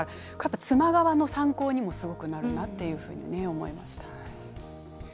妻側の参考にもなると思いました。